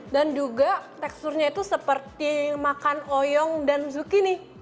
dan juga teksturnya itu seperti makan oyong dan zucchini